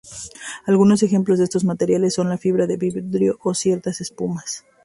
Algunos ejemplos de estos materiales son la fibra de vidrio o ciertas espumas.